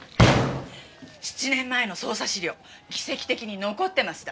７年前の捜査資料奇跡的に残ってました。